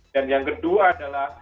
dan yang kedua adalah